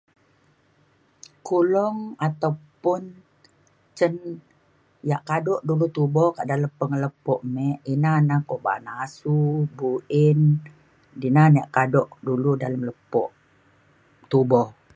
kulong ataupun cen yak kado dulu tubo kak dalem pengelepo me ina na ko ba’an asu buin dina na kado’ dulu dalem lepo tubo